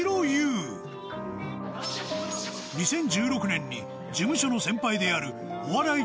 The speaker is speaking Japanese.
２０１６年に事務所の先輩であるお笑い